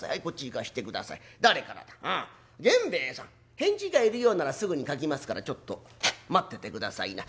返事がいるようならすぐに書きますからちょっと待っててくださいな。